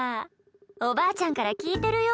おばあちゃんから聞いてるよ。